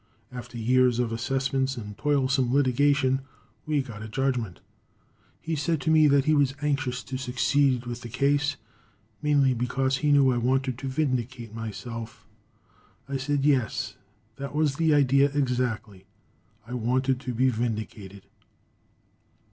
After years of assessments and toilsome litigation, we got a judgment. He said to me that he was anxious to succeed with the case mainly because he knew I Wanted to vindicate myself. I said yes, that was the idea exactly. I wanted to be vindicated.